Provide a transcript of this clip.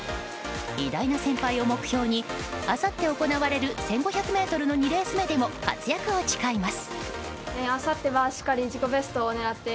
偉大な先輩を目標にあさって行われる１５００ｍの２レース目でも活躍を誓います。